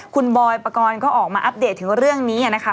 คุณบอยปกรณ์ก็ออกมาอัปเดตถึงเรื่องนี้นะคะ